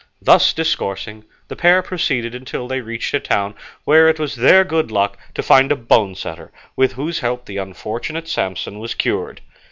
Thus discoursing, the pair proceeded until they reached a town where it was their good luck to find a bone setter, with whose help the unfortunate Samson was cured.